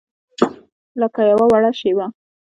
لکه یوه وړه شیبه